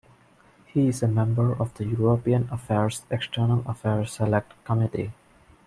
He is a member of the European Affairs External Affairs Select Committee.